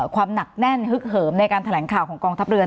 ความหนักแน่นฮึกเหิมในการแถลงข่าวของกองทัพเรือ